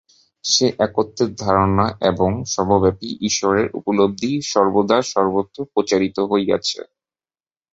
সেই একত্বের ধারণা এবং সর্বব্যাপী ঈশ্বরের উপলব্ধিই সর্বদা সর্বত্র প্রচারিত হইয়াছে।